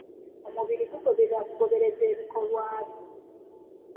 Omubiri gugoberera bugoberezi ebikolwa byo.